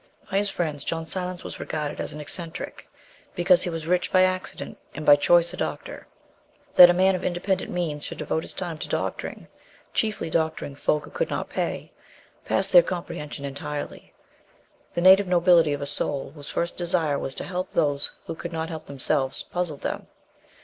By his friends John Silence was regarded as an eccentric, because he was rich by accident, and by choice a doctor. That a man of independent means should devote his time to doctoring, chiefly doctoring folk who could not pay, passed their comprehension entirely. The native nobility of a soul whose first desire was to help those who could not help themselves, puzzled them.